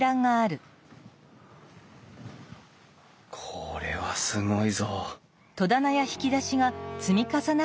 これはすごいぞ！